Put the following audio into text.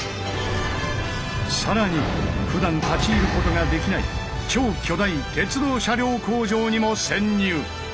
更にふだん立ち入ることができない超巨大鉄道車両工場にも潜入！